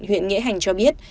huyện nghĩa hành cho biết